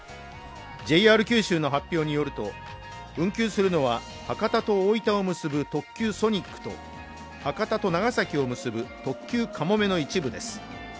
ＪＲ九州の発表によると運休するのは、博多と大分を結ぶ特急ソニックと博多と長崎を結ぶ特急かもめの一部です。